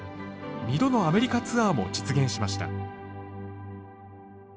２度のアメリカツアーも実現しました。